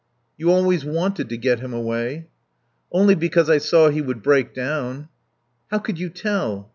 "You always wanted to get him away." "Only because I saw he would break down." "How could you tell?"